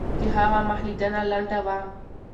د هغه مخ لیدنه لنډه وه.